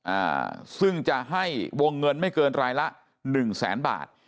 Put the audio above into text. อ่าซึ่งจะให้วงเงินไม่เกินรายละหนึ่งแสนบาท